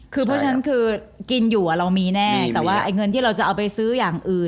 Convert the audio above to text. คือเพราะฉะนั้นคือกินอยู่เรามีแน่แต่ว่าไอ้เงินที่เราจะเอาไปซื้ออย่างอื่น